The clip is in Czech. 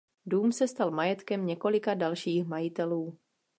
Dům se stal majetkem několika dalších majitelů.